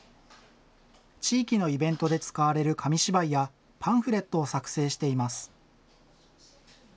地域のイベントで使われる紙芝居や、パンフレットを作成しています。